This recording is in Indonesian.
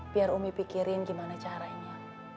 biar umi pikirin gimana caranya